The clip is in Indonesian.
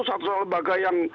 sosok lembaga yang